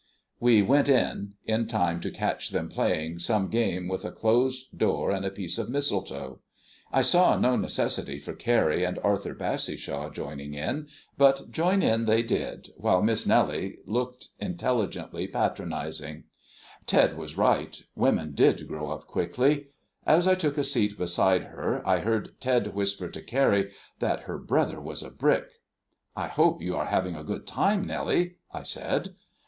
We went in, in time to catch them playing some game with a closed door and a piece of mistletoe. I saw no necessity for Carrie and Arthur Bassishaw joining in, but join in they did, while Miss Nellie looked intelligently patronising. Ted was right women did grow up quickly. As I took a seat beside her I heard Ted whisper to Carrie that her brother was a brick. "I hope you are having a good time, Nellie?" I said.